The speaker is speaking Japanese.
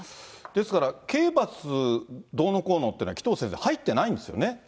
ですから刑罰どうのこうのっていうのは、紀藤先生、入ってなそうなんですね。